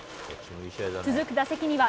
続く打席には４